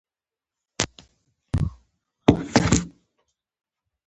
ایا ستاسو باران به ګټور نه وي؟